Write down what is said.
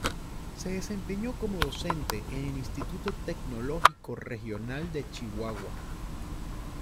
Se desempeñó como docente en el Instituto Tecnológico Regional de Chihuahua.